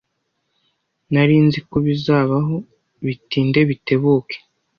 Nari nzi ko bizabaho bitinde bitebuke.